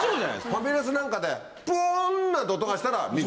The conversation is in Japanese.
ファミレスなんかで。なんて音がしたら見る？